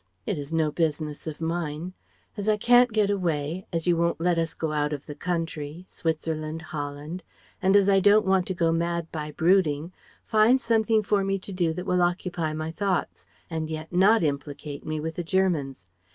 It is no business of mine. As I can't get away, as you won't let us go out of the country Switzerland, Holland and as I don't want to go mad by brooding, find something for me to do that will occupy my thoughts: and yet not implicate me with the Germans.